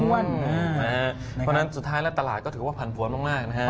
เพราะฉะนั้นสุดท้ายแล้วตลาดก็ถือว่าผันผวนมากนะฮะ